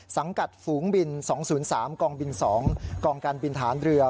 สังกัดฝูงบิน๒๐๓กองบิน๒กองการบินฐานเรือ